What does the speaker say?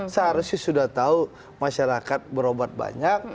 seharusnya sudah tahu masyarakat berobat banyak